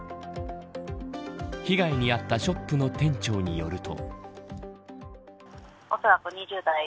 被害に遭ったショップの店長によると。